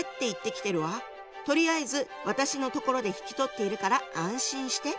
とりあえず私のところで引き取っているから安心して」。